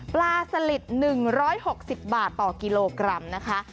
ปลาสลิด๑๖๐บาทต่อกิโลกรัมนะคะ